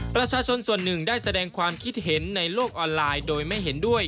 ประชาชนส่วนหนึ่งได้แสดงความคิดเห็นในโลกออนไลน์โดยไม่เห็นด้วย